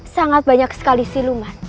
sangat banyak sekali siluman